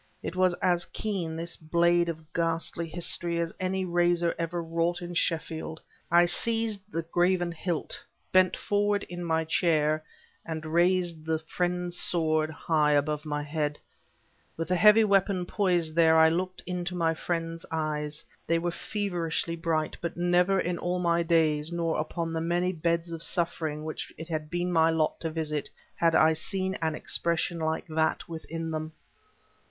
It was as keen, this blade of ghastly history, as any razor ever wrought in Sheffield. I seized the graven hilt, bent forward in my chair, and raised the Friend's Sword high above my head. With the heavy weapon poised there, I looked into my friend's eyes. They were feverishly bright, but never in all my days, nor upon the many beds of suffering which it had been my lot to visit, had I seen an expression like that within them.